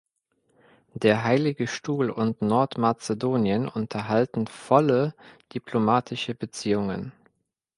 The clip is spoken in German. Der Heilige Stuhl und Nordmazedonien unterhalten volle diplomatische Beziehungen.